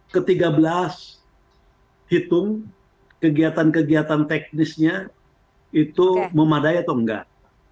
enam belas ke tiga belas hitung kegiatan kegiatan teknisnya itu memadai atau nggak